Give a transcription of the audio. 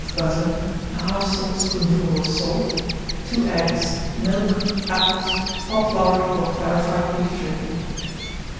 of butter, 1/2 saltspoonful of salt, 2 eggs, milk, apples, hot lard or clarified beef dripping.